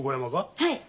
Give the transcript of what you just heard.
はい。